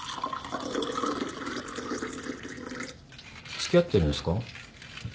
付き合ってるんすか？